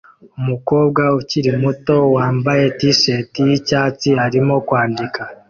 Umukobwa ukiri muto wambaye t-shirt yicyatsi arimo kwandika